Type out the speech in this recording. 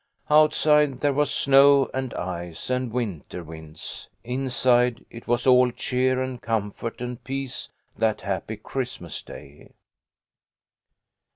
Outside there was snow and ice A HAPPY CHRISTMAS. 22$ and winter winds. Inside it was all cheer and com fort and peace that happy Christmas Day.